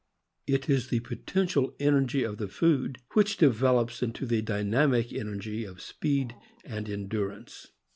It is the potential energy of the food which develops into the dynamical energy of speed and endur ance.